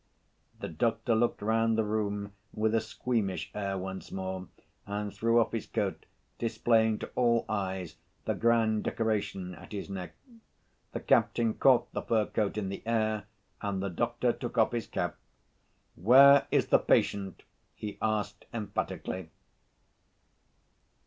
The doctor looked round the room with a squeamish air once more and threw off his coat, displaying to all eyes the grand decoration at his neck. The captain caught the fur coat in the air, and the doctor took off his cap. "Where is the patient?" he asked emphatically.